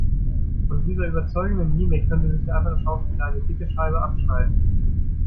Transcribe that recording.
Von dieser überzeugenden Mimik könnte sich der andere Schauspieler eine dicke Scheibe abschneiden.